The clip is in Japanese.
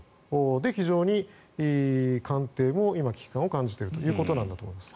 で、非常に官邸も今、危機感を感じているということなんだと思います。